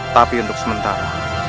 tapi untuk sementara